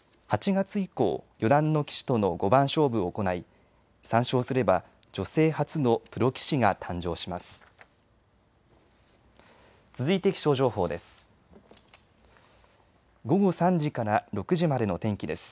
８月以降、四段の棋士との五番勝負を行い３勝すれば女性初のプロ棋士が誕生します。